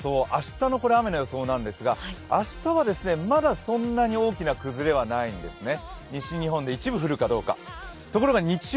明日の雨の予想なんですが、明日はまだそんなに大きな崩れはないんですね。